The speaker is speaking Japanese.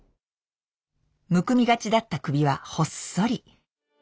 むくみがちだった首はほっそり。